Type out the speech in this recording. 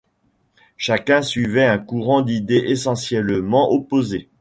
Chacun suivait un courant d’idées essentiellement opposé.